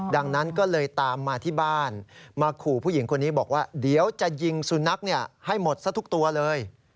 ดังนั้นก็เลยตามมาที่บ้านมาขู่ผู้หญิงคนนี้บอกว่าเดี๋ยวจะยิงสุนัขให้หมดซะทุกตัวเลย